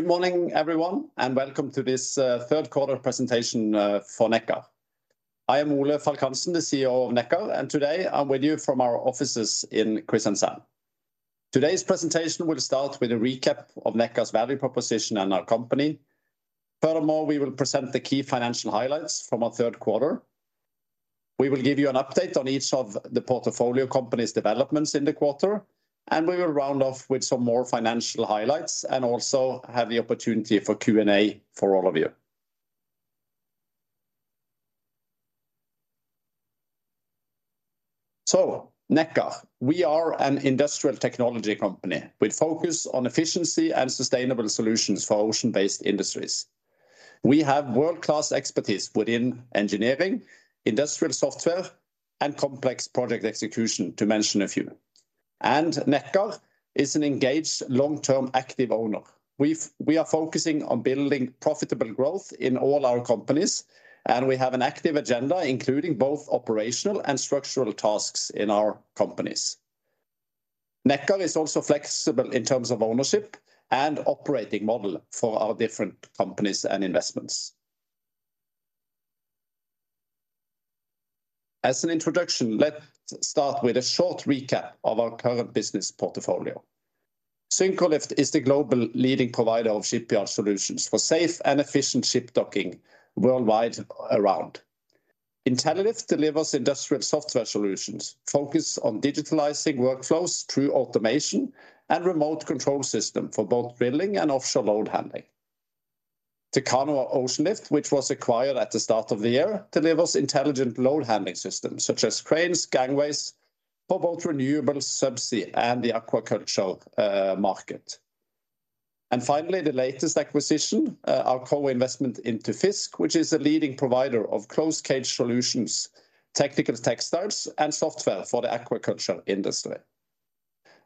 Good morning, everyone, and welcome to this Third Quarter Presentation for Nekkar. I am Ole Falk Hansen, the CEO of Nekkar, and today I'm with you from our offices in Kristiansand. Today's presentation will start with a recap of Nekkar's value proposition and our company. Furthermore, we will present the key financial highlights from our third quarter. We will give you an update on each of the portfolio companies' developments in the quarter, and we will round off with some more financial highlights and also have the opportunity for Q&A for all of you. Nekkar, we are an industrial technology company with focus on efficiency and sustainable solutions for ocean-based industries. We have world-class expertise within engineering, industrial software, and complex project execution, to mention a few. Nekkar is an engaged, long-term, active owner. We are focusing on building profitable growth in all our companies, and we have an active agenda, including both operational and structural tasks in our companies. Nekkar is also flexible in terms of ownership and operating model for our different companies and investments. As an introduction, let's start with a short recap of our current business portfolio. Syncrolift is the global leading provider of shipyard solutions for safe and efficient ship docking worldwide around. Intellilift delivers industrial software solutions, focused on digitalizing workflows through automation and remote control system for both drilling and offshore load handling. Techano Oceanlift, which was acquired at the start of the year, delivers intelligent load-handling systems, such as cranes, gangways for both renewable subsea and the aquaculture market. And finally, the latest acquisition, our co-investment into FiiZK, which is a leading provider of closed cage solutions, technical textiles and software for the aquaculture industry.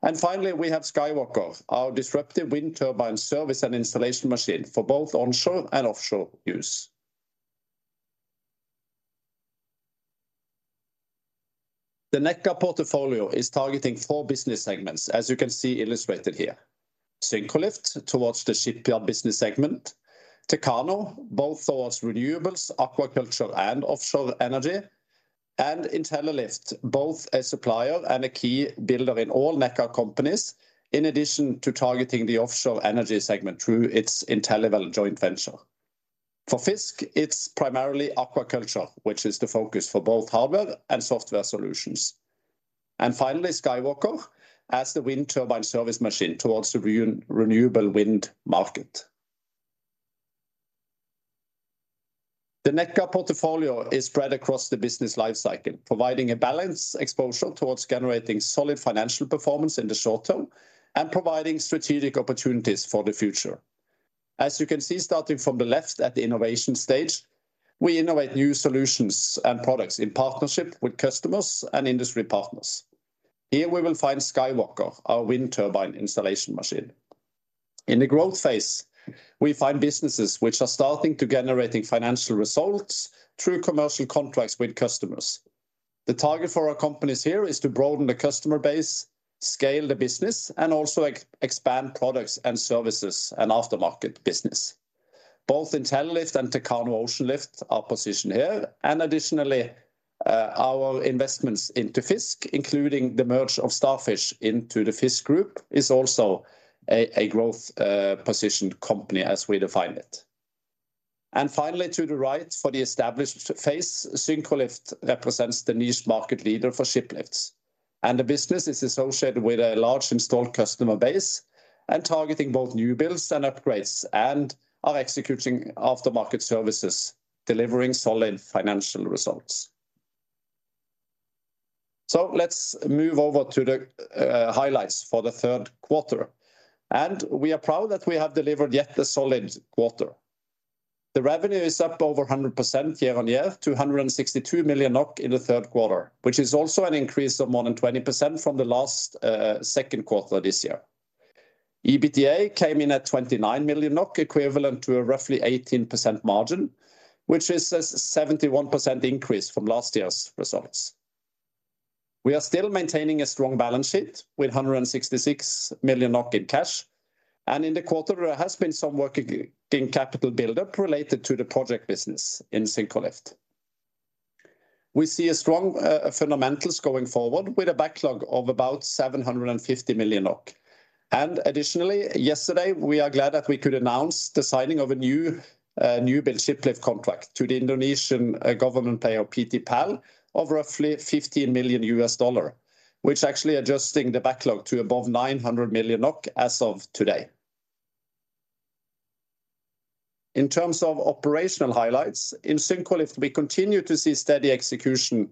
And finally, we have Skywalker, our disruptive wind turbine service and installation machine for both onshore and offshore use. The Nekkar portfolio is targeting four business segments, as you can see illustrated here. Syncrolift towards the shipyard business segment, Techano, both towards renewables, aquaculture and offshore energy, and Intellilift, both a supplier and a key builder in all Nekkar companies, in addition to targeting the offshore energy segment through its InteliWell joint venture. For FiiZK, it's primarily aquaculture, which is the focus for both hardware and software solutions. And finally, Skywalker, as the wind turbine service machine towards the renewable wind market. The Nekkar portfolio is spread across the business life cycle, providing a balanced exposure towards generating solid financial performance in the short term and providing strategic opportunities for the future. As you can see, starting from the left at the innovation stage, we innovate new solutions and products in partnership with customers and industry partners. Here we will find Skywalker, our wind turbine installation machine. In the growth phase, we find businesses which are starting to generate financial results through commercial contracts with customers. The target for our companies here is to broaden the customer base, scale the business, and also expand products and services and aftermarket business. Both Intellilift and Techano Oceanlift are positioned here, and additionally, our investments into FiiZK, including the merge of Starfish into the FiiZK group, is also a growth positioned company as we define it. And finally, to the right, for the established phase, Syncrolift represents the niche market leader for shiplifts, and the business is associated with a large installed customer base and targeting both newbuilds and upgrades, and are executing aftermarket services, delivering solid financial results. So let's move over to the highlights for the third quarter, and we are proud that we have delivered yet a solid quarter. The revenue is up over 100% YoY, 262 million NOK in the third quarter, which is also an increase of more than 20% from the last second quarter this year. EBITDA came in at 29 million NOK, equivalent to a roughly 18% margin, which is a 71% increase from last year's results. We are still maintaining a strong balance sheet with 166 million NOK in cash, and in the quarter, there has been some working capital buildup related to the project business in Syncrolift. We see a strong fundamentals going forward with a backlog of about 750 million NOK. Additionally, yesterday, we are glad that we could announce the signing of a new newbuild shiplift contract to the Indonesian government player, PT PAL, of roughly $15 million, which actually adjusting the backlog to above 900 million NOK as of today. In terms of operational highlights, in Syncrolift we continue to see steady execution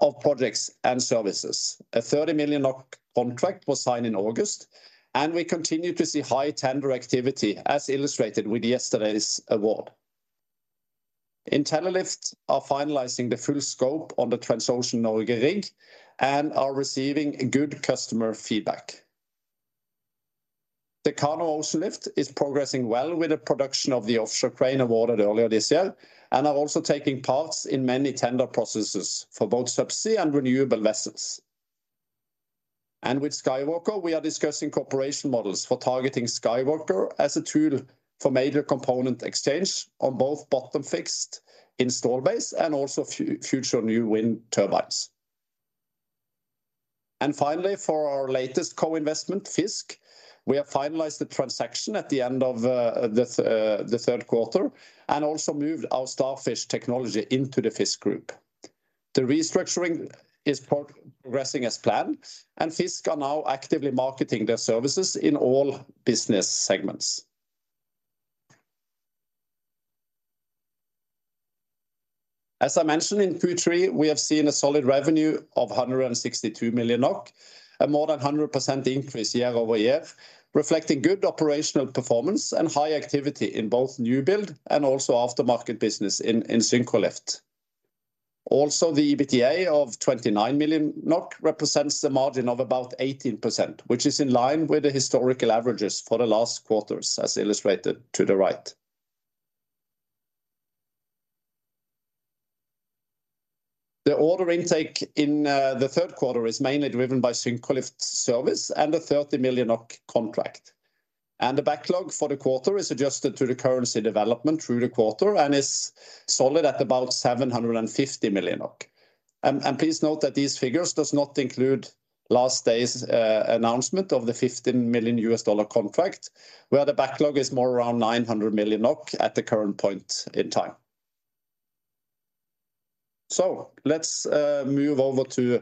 of projects and services. A 30 million contract was signed in August, and we continue to see high tender activity, as illustrated with yesterday's award. Intellilift are finalizing the full scope on the Transocean Norge rig and are receiving good customer feedback. Techano Oceanlift is progressing well with the production of the offshore crane awarded earlier this year, and are also taking parts in many tender processes for both subsea and renewable vessels. With Skywalker, we are discussing cooperation models for targeting Skywalker as a tool for major component exchange on both bottom fixed install base and also future new wind turbines. Finally, for our latest co-investment, FiiZK, we have finalized the transaction at the end of the third quarter, and also moved our Starfish technology into the FiiZK group. The restructuring is progressing as planned, and FiiZK are now actively marketing their services in all business segments. As I mentioned, in Q3, we have seen a solid revenue of 162 million NOK, a more than 100% increase YoY, reflecting good operational performance and high activity in both newbuild and also aftermarket business in Syncrolift. Also, the EBITDA of 29 million NOK represents the margin of about 18%, which is in line with the historical averages for the last quarters, as illustrated to the right. The order intake in the third quarter is mainly driven by Syncrolift service and a 30 million NOK contract. The backlog for the quarter is adjusted to the currency development through the quarter and is solid at about 750 million. Please note that these figures does not include last day's announcement of the $15 million contract, where the backlog is more around 900 million NOK at the current point in time. So let's move over to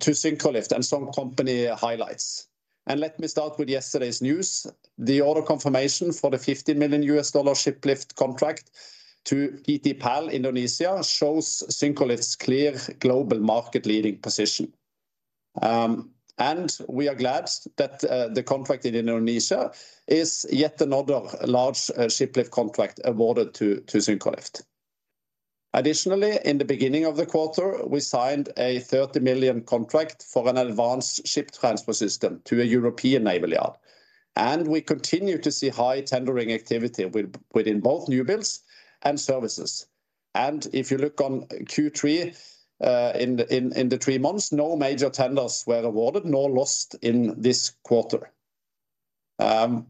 Syncrolift and some company highlights. And let me start with yesterday's news. The order confirmation for the $50 million shiplift contract to PT PAL Indonesia shows Syncrolift's clear global market leading position. And we are glad that the contract in Indonesia is yet another large shiplift contract awarded to Syncrolift. Additionally, in the beginning of the quarter, we signed a $30 million contract for an advanced ship transfer system to a European naval yard, and we continue to see high tendering activity within both newbuilds and services. If you look on Q3, in the three months, no major tenders were awarded nor lost in this quarter.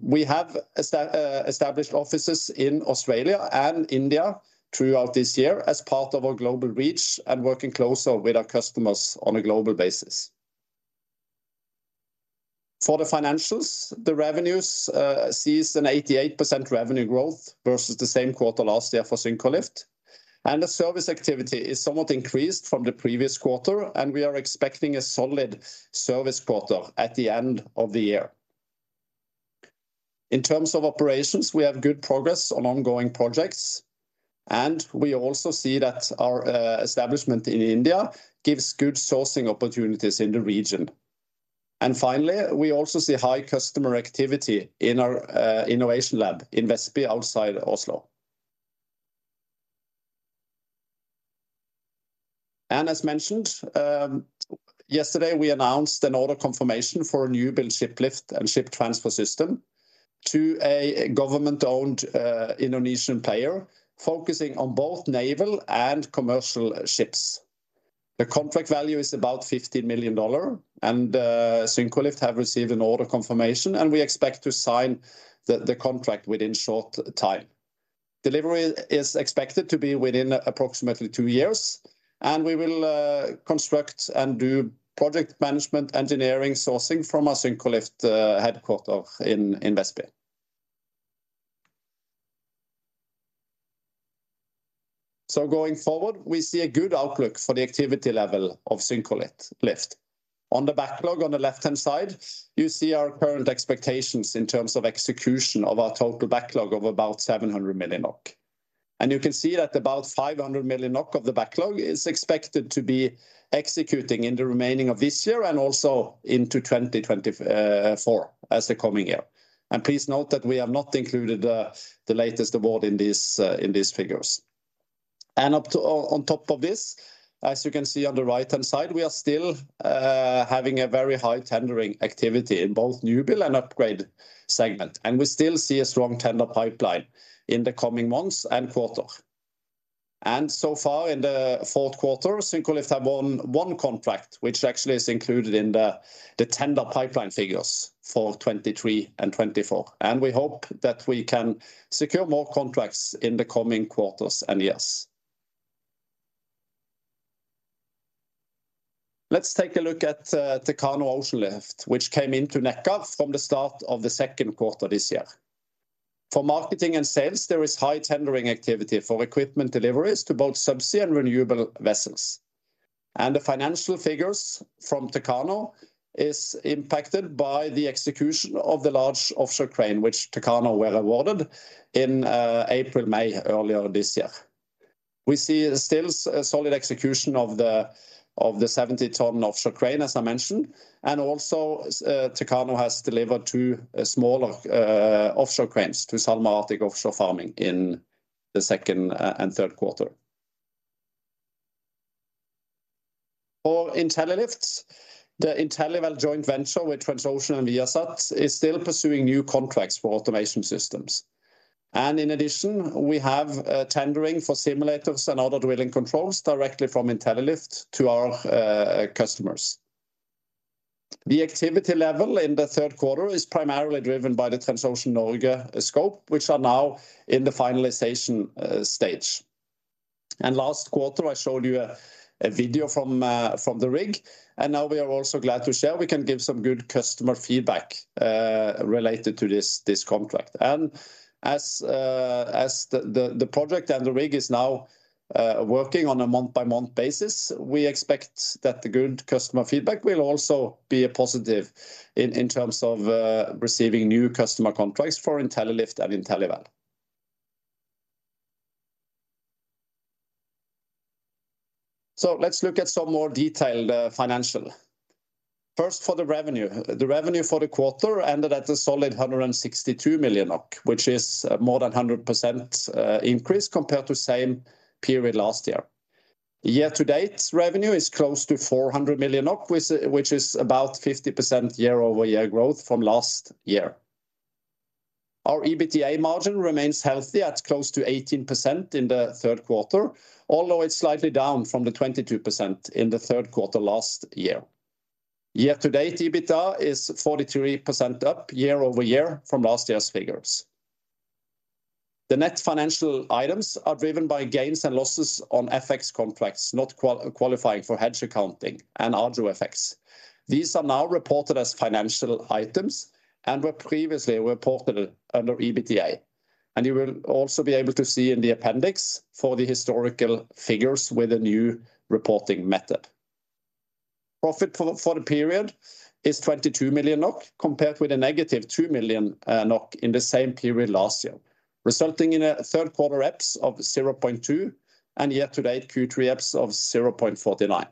We have established offices in Australia and India throughout this year as part of our global reach and working closer with our customers on a global basis. For the financials, the revenues sees an 88% revenue growth versus the same quarter last year for Syncrolift. The service activity is somewhat increased from the previous quarter, and we are expecting a solid service quarter at the end of the year. In terms of operations, we have good progress on ongoing projects, and we also see that our establishment in India gives good sourcing opportunities in the region. Finally, we also see high customer activity in our innovation lab in Vestby outside Oslo. As mentioned, yesterday, we announced an order confirmation for a newbuild shiplift and ship transfer system to a government-owned Indonesian player, focusing on both naval and commercial ships. The contract value is about $50 million, and Syncrolift have received an order confirmation, and we expect to sign the contract within short time. Delivery is expected to be within approximately 2 years, and we will construct and do project management engineering sourcing from our Syncrolift headquarters in Vestby. So going forward, we see a good outlook for the activity level of Syncrolift. On the backlog, on the left-hand side, you see our current expectations in terms of execution of our total backlog of about 700 million NOK. You can see that about 500 million NOK of the backlog is expected to be executing in the remaining of this year and also into 2024, as the coming year. Please note that we have not included the latest award in these figures. On top of this, as you can see on the right-hand side, we are still having a very high tendering activity in both newbuild and upgrade segment, and we still see a strong tender pipeline in the coming months and quarter. So far, in the fourth quarter, Syncrolift have won one contract, which actually is included in the tender pipeline figures for 2023 and 2024. We hope that we can secure more contracts in the coming quarters and years. Let's take a look at Techano Oceanlift, which came into Nekkar from the start of the second quarter this year. For marketing and sales, there is high tendering activity for equipment deliveries to both subsea and renewable vessels. The financial figures from Techano is impacted by the execution of the large offshore crane, which Techano were awarded in April, May, earlier this year. We see still a solid execution of the 70-ton offshore crane, as I mentioned, and also Techano has delivered two smaller offshore cranes to SalMar Arctic Offshore Farming in the second and third quarter. For Intellilift, the InteliWell joint venture with Transocean and Viasat is still pursuing new contracts for automation systems. In addition, we have tendering for simulators and other drilling controls directly from Intellilift to our customers. The activity level in the third quarter is primarily driven by the Transocean Norge scope, which are now in the finalization stage. And last quarter, I showed you a video from the rig, and now we are also glad to share. We can give some good customer feedback related to this contract. And as the project and the rig is now working on a month-by-month basis, we expect that the good customer feedback will also be a positive in terms of receiving new customer contracts for Intellilift and IntelliView. So let's look at some more detailed financial. First, for the revenue. The revenue for the quarter ended at a solid 162 million, which is more than 100% increase compared to same period last year. Year-to-date revenue is close to 400 million, which is about 50% YoY growth from last year. Our EBITDA margin remains healthy at close to 18% in the third quarter, although it's slightly down from the 22% in the third quarter last year. Year to date, EBITDA is 43% up year over year from last year's figures. The net financial items are driven by gains and losses on FX contracts, not qualifying for hedge accounting and other effects. These are now reported as financial items and were previously reported under EBITDA, and you will also be able to see in the appendix for the historical figures with the new reporting method. Profit for the period is 22 million NOK, compared with -2 million NOK in the same period last year, resulting in a third quarter EPS of 0.2 and year-to-date Q3 EPS of 0.49.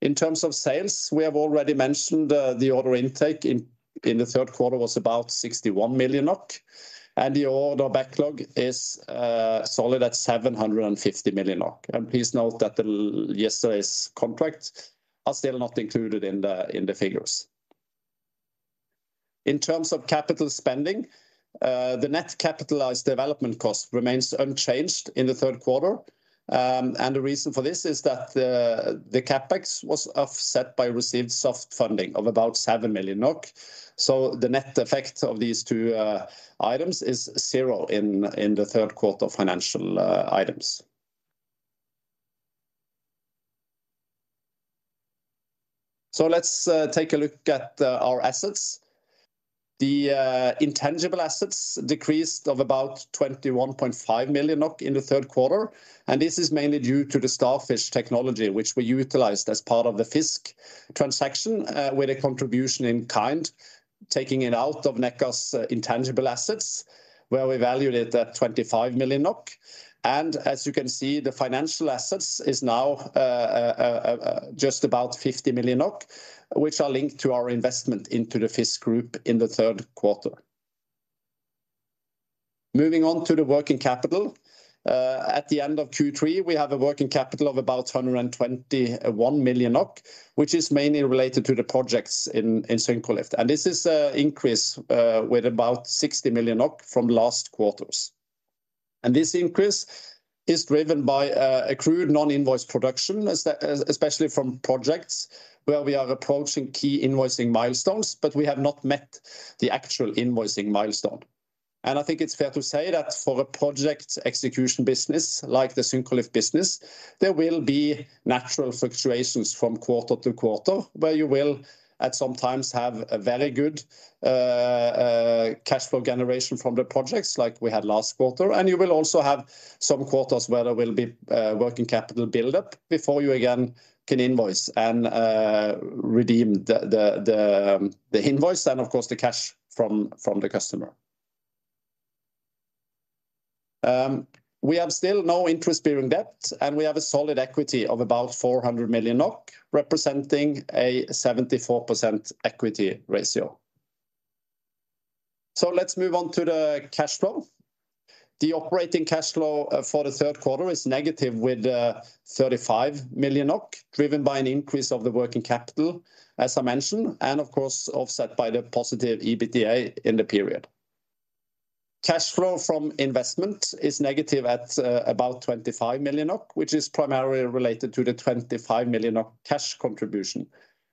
In terms of sales, we have already mentioned the order intake in the third quarter was about 61 million NOK, and the order backlog is solid at 750 million NOK. And please note that yesterday's contracts are still not included in the figures. In terms of capital spending, the net capitalized development cost remains unchanged in the third quarter. And the reason for this is that the CapEx was offset by received soft funding of about 7 million NOK. So the net effect of these two items is zero in the third quarter financial items. So let's take a look at our assets. The intangible assets decreased of about 21.5 million in the third quarter, and this is mainly due to the Starfish technology, which we utilized as part of the FiiZK transaction with a contribution in kind, taking it out of Nekkar's intangible assets, where we evaluate at 25 million NOK. And as you can see, the financial assets is now just about 50 million NOK, which are linked to our investment into the FiiZK group in the third quarter. Moving on to the working capital. At the end of Q3, we have a working capital of about 121 million NOK, which is mainly related to the projects in Syncrolift. This is an increase with about 60 million from last quarter. This increase is driven by accrued non-invoiced production, especially from projects where we are approaching key invoicing milestones, but we have not met the actual invoicing milestone. I think it's fair to say that for a project execution business, like the Syncrolift business, there will be natural fluctuations from quarter to quarter, where you will, at some times, have a very good cash flow generation from the projects like we had last quarter. You will also have some quarters where there will be working capital buildup before you again can invoice and redeem the invoice and, of course, the cash from the customer. We have still no interest-bearing debt, and we have a solid equity of about 400 million NOK, representing a 74% equity ratio. So let's move on to the cash flow. The operating cash flow for the third quarter is negative, with 35 million NOK, driven by an increase of the working capital, as I mentioned, and of course, offset by the positive EBITDA in the period. Cash flow from investment is negative at about 25 million, which is primarily related to the 25 million cash contribution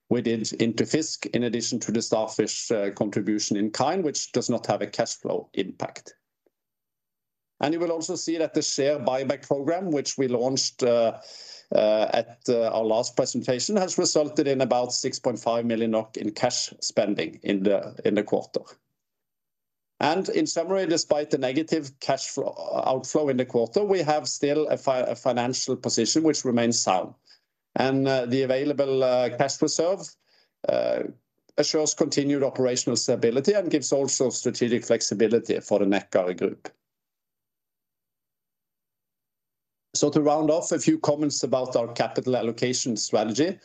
into FiiZK, in addition to the Starfish contribution in kind, which does not have a cash flow impact. You will also see that the share buyback program, which we launched at our last presentation, has resulted in about 6.5 million NOK in cash spending in the quarter. In summary, despite the negative cash flow outflow in the quarter, we have still a financial position which remains sound. The available cash reserve assures continued operational stability and gives also strategic flexibility for the Nekkar group. To round off, a few comments about our capital allocation strategy.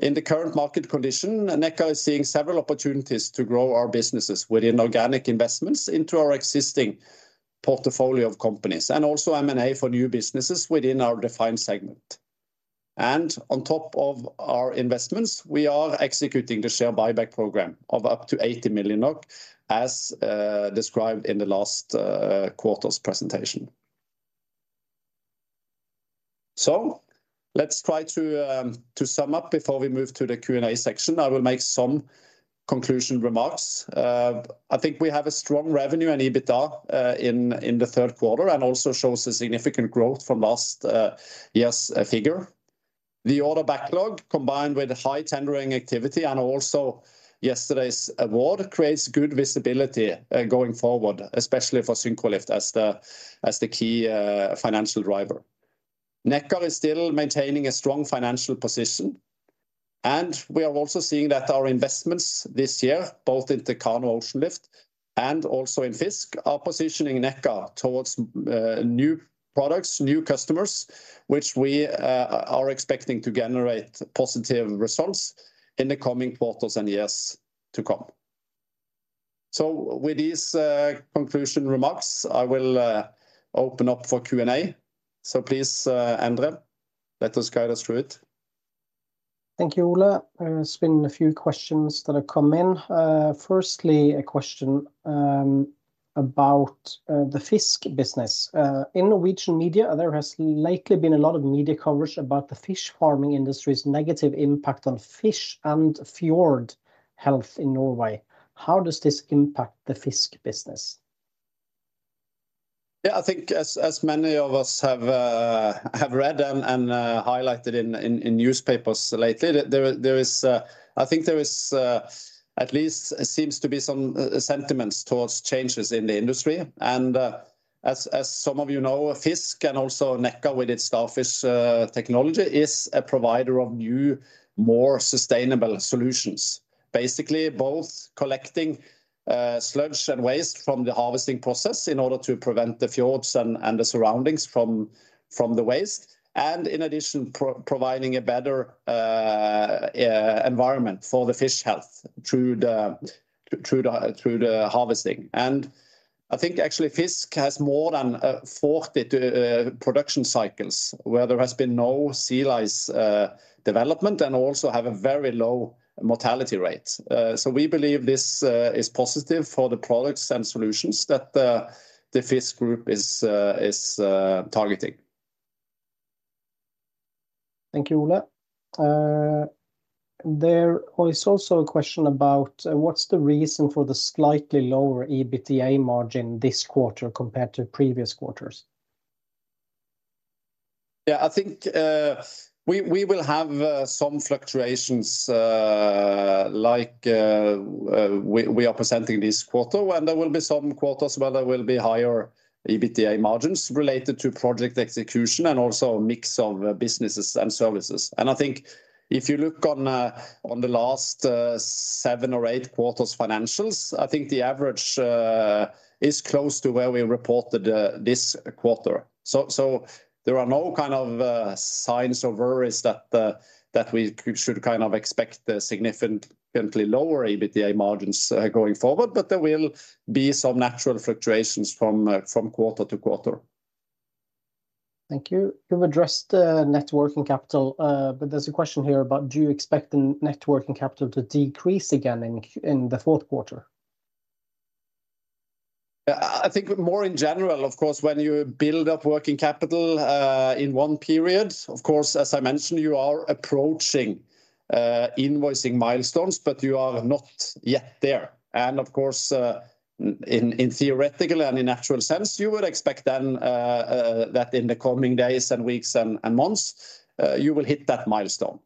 In the current market condition, Nekkar is seeing several opportunities to grow our businesses within organic investments into our existing portfolio of companies, and also M&A for new businesses within our defined segment. On top of our investments, we are executing the share buyback program of up to 80 million NOK, as described in the last quarter's presentation. So let's try to sum up before we move to the Q&A section. I will make some conclusion remarks. I think we have a strong revenue and EBITDA in the third quarter, and also shows a significant growth from last year's figure. The order backlog, combined with high tendering activity and also yesterday's award, creates good visibility going forward, especially for Syncrolift as the key financial driver. Nekkar is still maintaining a strong financial position, and we are also seeing that our investments this year, both in the Techano Oceanlift and also in FiiZK, are positioning Nekkar towards new products, new customers, which we are expecting to generate positive results in the coming quarters and years to come. So with these conclusion remarks, I will open up for Q&A. So please, Andre, let us guide us through it. Thank you, Ole. There's been a few questions that have come in. Firstly, a question about the FiiZK business. In Norwegian media, there has lately been a lot of media coverage about the fish farming industry's negative impact on fish and fjord health in Norway. How does this impact the FiiZK business? Yeah, I think as many of us have read and highlighted in newspapers lately, there at least seems to be some sentiments towards changes in the industry. And as some of you know, FiiZK and also Nekkar with its Starfish technology is a provider of new, more sustainable solutions. Basically, both collecting sludge and waste from the harvesting process in order to prevent the fjords and the surroundings from the waste, and in addition, providing a better environment for the fish health through the harvesting. And I think actually, FiiZK has more than 40 production cycles where there has been no sea lice development, and also have a very low mortality rate. So we believe this is positive for the products and solutions that the FiiZK group is targeting. Thank you, Ole. There is also a question about, what's the reason for the slightly lower EBITDA margin this quarter compared to previous quarters? Yeah, I think we will have some fluctuations, like, we are presenting this quarter, and there will be some quarters where there will be higher EBITDA margins related to project execution and also a mix of businesses and services. And I think if you look on the last seven or eight quarters financials, I think the average is close to where we reported this quarter. So there are no kind of signs of worries that we should kind of expect significantly lower EBITDA margins going forward, but there will be some natural fluctuations from quarter to quarter. Thank you. You've addressed the net working capital, but there's a question here about: do you expect the net working capital to decrease again in the fourth quarter? Yeah, I think more in general, of course, when you build up working capital in one period, of course, as I mentioned, you are approaching invoicing milestones, but you are not yet there. And of course, in theoretical and in actual sense, you would expect then that in the coming days and weeks and months you will hit that milestone.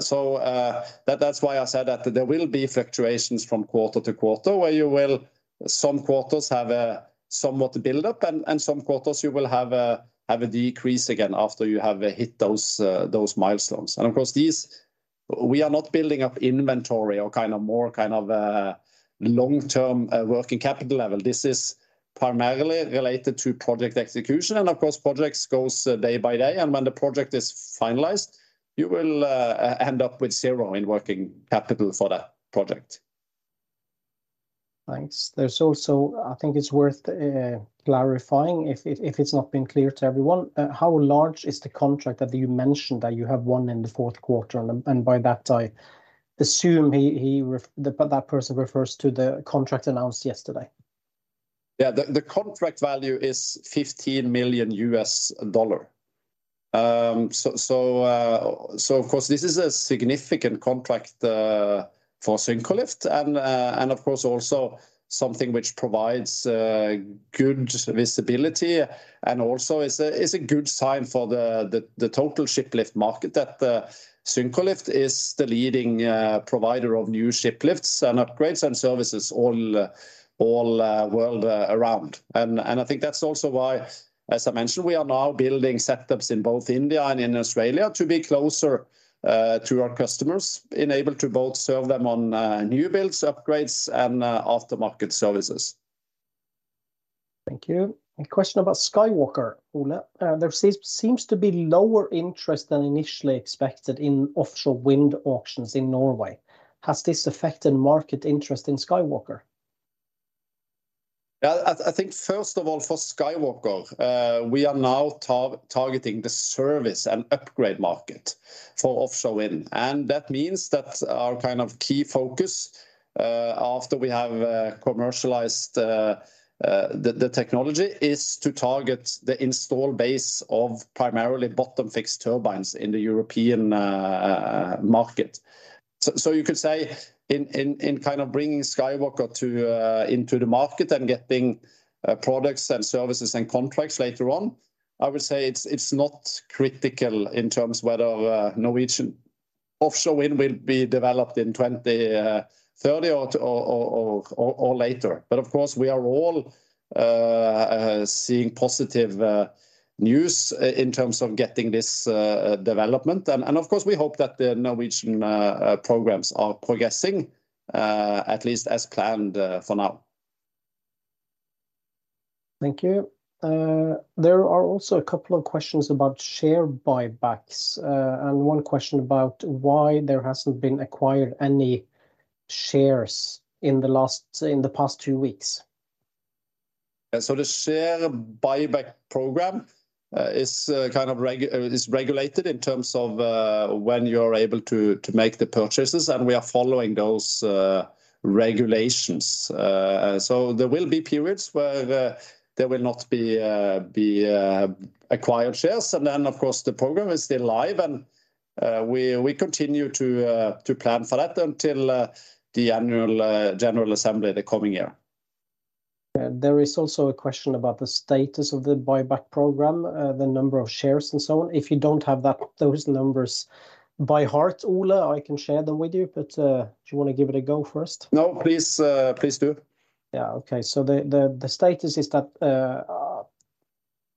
So that's why I said that there will be fluctuations from quarter to quarter, where you will some quarters have a somewhat build-up, and some quarters you will have a decrease again after you have hit those milestones. And of course, these we are not building up inventory or kind of more kind of long-term working capital level. This is primarily related to project execution, and of course, projects goes day by day, and when the project is finalized, you will end up with zero in working capital for that project. Thanks. There's also... I think it's worth clarifying, if it's not been clear to everyone, how large is the contract that you mentioned that you have won in the fourth quarter? And by that, I assume he, that person refers to the contract announced yesterday. Yeah. The contract value is $15 million. So, of course, this is a significant contract for Syncrolift and, of course, also something which provides good visibility and also is a good sign for the total shiplift market, that Syncrolift is the leading provider of new shiplifts and upgrades and services all world around. And I think that's also why, as I mentioned, we are now building setups in both India and in Australia to be closer to our customers, enabled to both serve them on newbuilds, upgrades, and aftermarket services. Thank you. A question about Skywalker, Ole. There seems to be lower interest than initially expected in offshore wind auctions in Norway. Has this affected market interest in Skywalker? ... Yeah, I think first of all, for Skywalker, we are now targeting the service and upgrade market for offshore wind. And that means that our kind of key focus, after we have commercialized the technology, is to target the install base of primarily bottom fixed turbines in the European market. So you could say in kind of bringing Skywalker into the market and getting products and services and contracts later on, I would say it's not critical in terms of whether Norwegian offshore wind will be developed in 2030 or later. But of course, we are all seeing positive news in terms of getting this development. Of course, we hope that the Norwegian programs are progressing at least as planned for now. Thank you. There are also a couple of questions about share buybacks, and one question about why there hasn't been acquired any shares in the past two weeks. Yeah, so the share buyback program is kind of regulated in terms of when you're able to make the purchases, and we are following those regulations. So there will be periods where there will not be acquired shares. And then, of course, the program is still live and we continue to plan for that until the annual general assembly the coming year. Yeah. There is also a question about the status of the buyback program, the number of shares, and so on. If you don't have those numbers by heart, Ole, I can share them with you, but do you want to give it a go first? No, please, please do. Yeah. Okay. So the status is that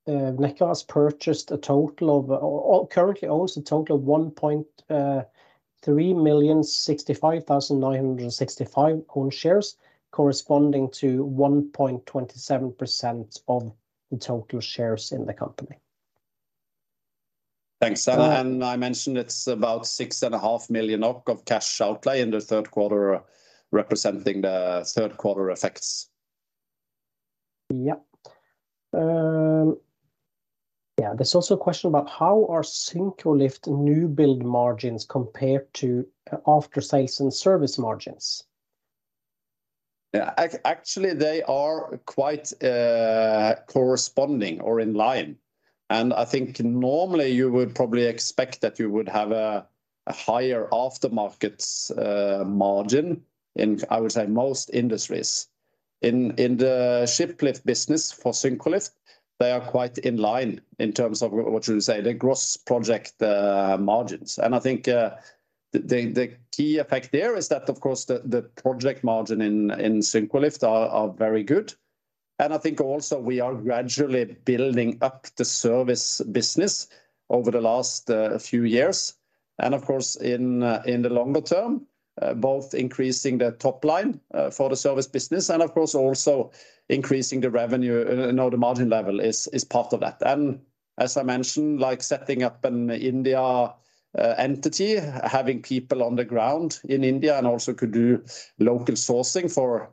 Nekkar has purchased a total of... or currently owns a total of 1,365,965 own shares, corresponding to 1.27% of the total shares in the company. Thanks. Uh- I mentioned it's about 6.5 million of cash outlay in the third quarter, representing the third quarter effects. Yeah. Yeah. There's also a question about: how are Syncrolift newbuild margins compare to after sales and service margins? Yeah, actually, they are quite corresponding or in line. And I think normally you would probably expect that you would have a higher after-market's margin in, I would say, most industries. In the shiplift business for Syncrolift, they are quite in line in terms of what you say, the gross project margins. And I think the key effect there is that, of course, the project margin in Syncrolift are very good, and I think also we are gradually building up the service business over the last few years. And of course, in the longer term, both increasing the top line for the service business and of course, also increasing the revenue, you know, the margin level is part of that. And as I mentioned, like setting up an India entity, having people on the ground in India, and also could do local sourcing for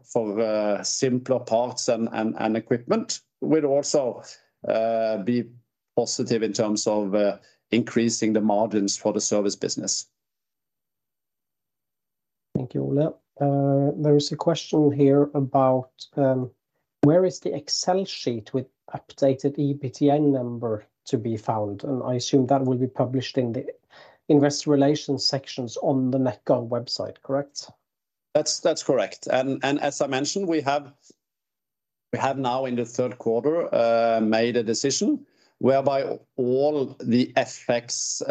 simpler parts and equipment, will also be positive in terms of increasing the margins for the service business. Thank you, Ole. There is a question here about: where is the Excel sheet with updated EBITDA number to be found? And I assume that will be published in the investor relations sections on the Nekkar website, correct? That's correct. And as I mentioned, we have now in the third quarter made a decision whereby all the effects,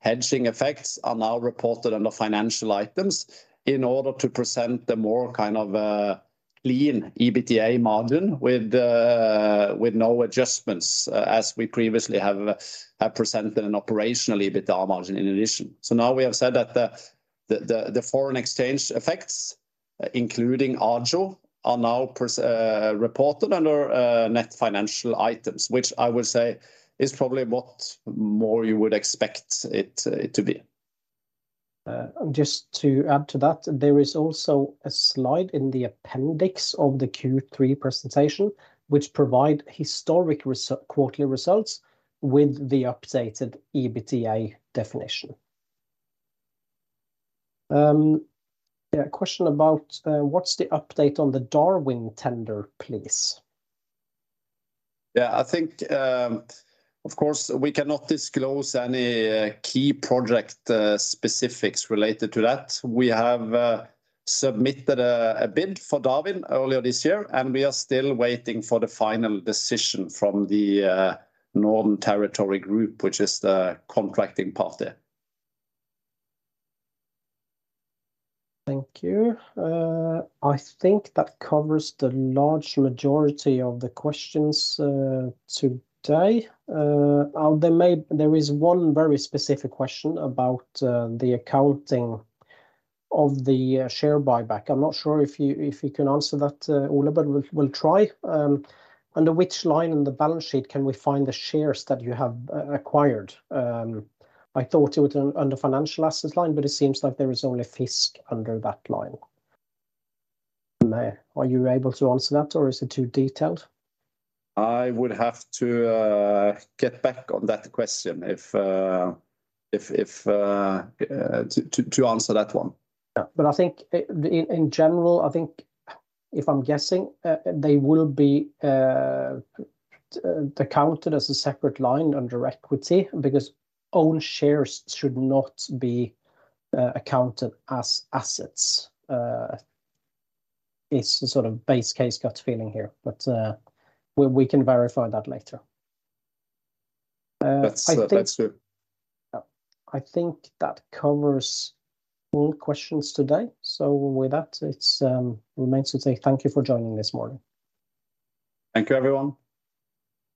hedging effects, are now reported under financial items in order to present the more kind of clean EBITDA margin with no adjustments, as we previously have presented an operational EBITDA margin in addition. So now we have said that the foreign exchange effects, including agio, are now reported under net financial items, which I would say is probably what more you would expect it to be. Just to add to that, there is also a slide in the appendix of the Q3 presentation, which provide historic quarterly results with the updated EBITDA definition. Yeah, a question about: what's the update on the Darwin tender, please? Yeah, I think, of course, we cannot disclose any key project specifics related to that. We have submitted a bid for Darwin earlier this year, and we are still waiting for the final decision from the Northern Territory Group, which is the contracting party. Thank you. I think that covers the large majority of the questions today. There is one very specific question about the accounting of the share buyback. I'm not sure if you, if you can answer that, Ole, but we'll try. Under which line in the balance sheet can we find the shares that you have acquired? I thought it was under financial assets line, but it seems like there is only FiiZK under that line. Are you able to answer that, or is it too detailed? I would have to get back on that question if to answer that one. Yeah, but I think, in general, I think if I'm guessing, they will be accounted as a separate line under equity, because own shares should not be accounted as assets. It's a sort of base case gut feeling here, but we can verify that later. I think- That's, that's true. Yeah. I think that covers all questions today. So with that, it remains to say thank you for joining this morning. Thank you, everyone.